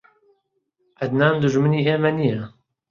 عەدنان دوژمنی ئێمە نییە.